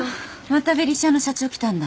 またベリシアの社長来たんだ。